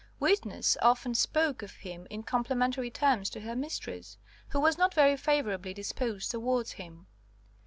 Witness often spoke of him in complimentary terms to her mistress, who was not very favourably disposed towards him.